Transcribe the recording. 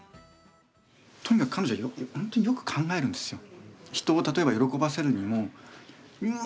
とにかく彼女は本当によく考えるんですよ。